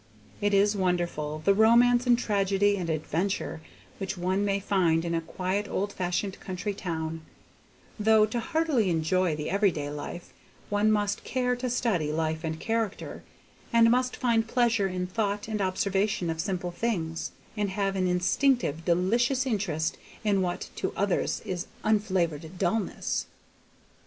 It is wonderful, the romance and tragedy and adventure which one may find in a quiet old fashioned country town, though to heartily enjoy the every day life one must care to study life and character, and must find pleasure in thought and observation of simple things, and have an instinctive, delicious interest in what to other eyes is unflavored dulness.